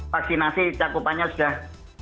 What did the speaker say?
vaksinasi cakupannya sudah